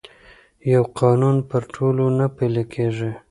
یو قانون پر ټولو نه پلي کېږي.